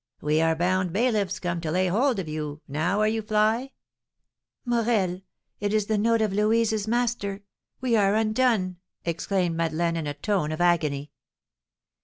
"We are bound bailiffs, come to lay hold of you; now are you fly?" "Morel, it is the note of Louise's master! We are undone!" exclaimed Madeleine, in a tone of agony.